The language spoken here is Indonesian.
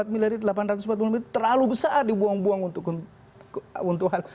delapan puluh empat miliarit delapan ratus empat puluh miliarit terlalu besar dibuang buang untuk hal